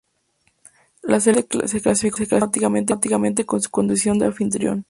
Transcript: Las selección de clasificó automáticamente en su condición de anfitrión.